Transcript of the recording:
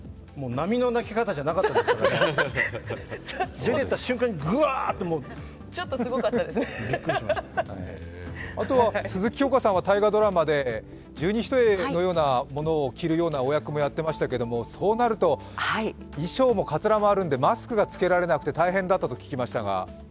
並みの泣き方じゃなかったです、出ていった瞬間にぐわーっとあとは鈴木京香さんは大河ドラマで十二単のようなものを着るような役もやっていらっしゃいましたが、そうなると、衣装もカツラもあるので、マスクが着けられなくて大変だったと聞きましたが。